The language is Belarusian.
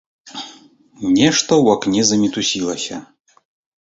Нешта ў акне замітусілася.